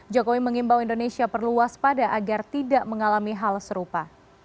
jokowi mengimbau indonesia perlu waspada agar tidak mengalami hal serupa